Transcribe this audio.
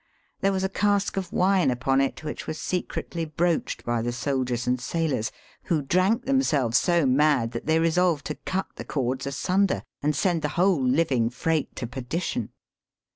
There was a cask of wine upon it which was secretly broached by the soldiers and sailors, who drank themselves so mad, that they re solved to cut the cords asunder, and send the whole living freight to perdition.